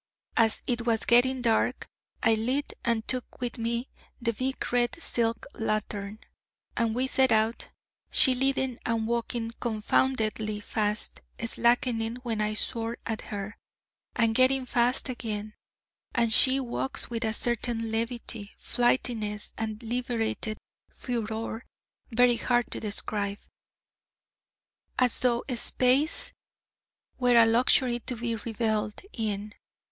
As it was getting dark, I lit and took with me the big red silk lantern, and we set out, she leading, and walking confoundedly fast, slackening when I swore at her, and getting fast again: and she walks with a certain levity, flightiness, and liberated furore, very hard to describe, as though space were a luxury to be revelled in.